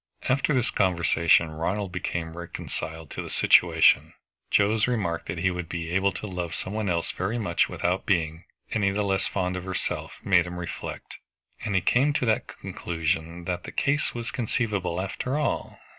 After this conversation Ronald became reconciled to the situation. Joe's remark that he would be able to love some one else very much without being any the less fond of herself made him reflect, and he came to the conclusion that the case was conceivable after all.